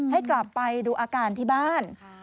ให้กลับไปดูอาการที่บ้าน